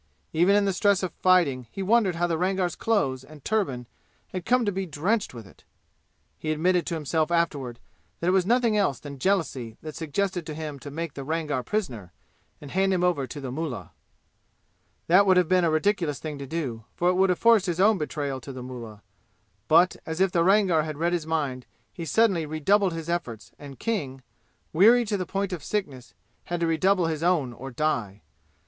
Even in the stress of fighting be wondered how the Rangar's clothes and turban had come to be drenched in it. He admitted to himself afterward that it was nothing else than jealousy that suggested to him to make the Rangar prisoner and hand him over to the mullah. That would have been a ridiculous thing to do, for it would have forced his own betrayal to the mullah. But as if the Rangar had read his mind he suddenly redoubled his efforts and King, weary to the point of sickness, had to redouble his own or die.